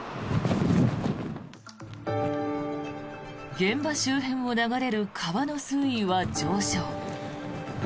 現場周辺を流れる川の水位は上昇。